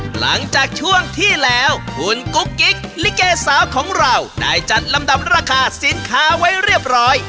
หลังจากช่วงที่แล้วคุณกุ๊กกิ๊กลิเกสาวของเราได้จัดลำดับราคาสินค้าไว้เรียบร้อย